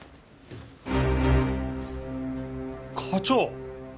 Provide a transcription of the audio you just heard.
課長！